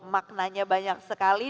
maknanya banyak sekali